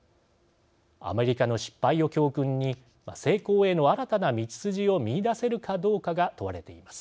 アメリカの失敗を教訓に成功への新たな道筋を見いだせるかどうかが問われています。